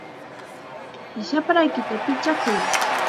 ¡Shapraykita pichakuy!